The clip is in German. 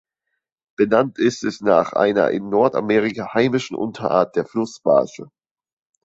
Benannt ist es nach einer in Nordamerika heimischen Unterart der Flussbarsche.